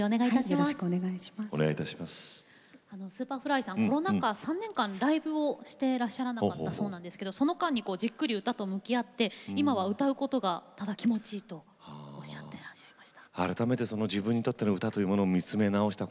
Ｓｕｐｅｒｆｌｙさんコロナ禍３年間ライブをしていらっしゃらなかったということですがその間にじっくり歌と向き合って歌うことがただ気持ちいいとおっしゃってました。